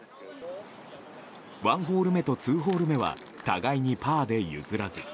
１ホール目と２ホール目は互いにパーで譲らず。